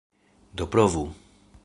Do provu!